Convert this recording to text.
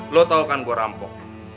lo tau kan gue rampok